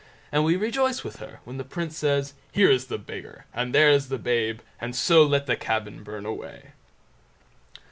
—and we rejoice with her when the Prince says "Here is the Beggar, and there is the babe, and so let the cabin burn away."